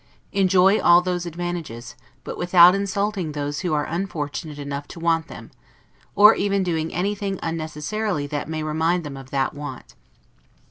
Enjoy all those advantages; but without insulting those who are unfortunate enough to want them, or even doing anything unnecessarily that may remind them of that want.